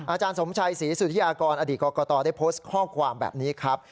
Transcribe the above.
อาจารย์สมชัยศรีสุธิยากรอดีตกรกตได้โพสต์ข้อความแบบนี้ครับ